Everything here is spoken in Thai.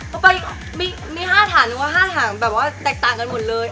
ก็ไปมี๕ฐานว่า๕ฐานแบบว่าแตกต่างกันหมดเลย